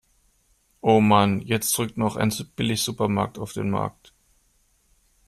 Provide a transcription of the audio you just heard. Oh Mann, jetzt drückt noch ein Billigsupermarkt auf den Markt.